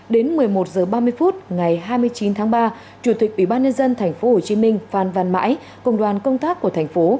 đến một mươi một h ba mươi phút ngày hai mươi chín tháng ba chủ tịch ủy ban nhân dân tp hcm phan văn mãi cùng đoàn công tác của thành phố